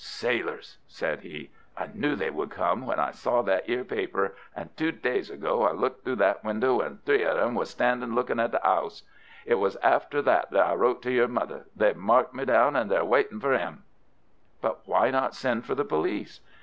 "Sailors!" said he. "I knew they would come when I saw that 'ere paper, and two days ago I looked through that window and three of them was standin' lookin' at the 'ouse. It was after that that I wrote to your mother. They've marked me down, and they're waitin' for 'im." "But why not send for the police?"